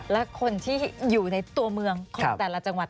และคนที่อยู่ในตัวเมืองของแต่ละจังหวัด